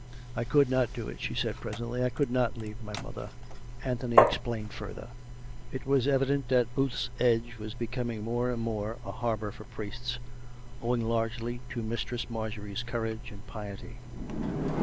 " I could not do it," she said presently. " I could not leave my mother." Anthony explained further. It was evident that Booth's Edge was becoming more and more a harbour for priests, owing largely to Mistress Marjorie's courage and piety.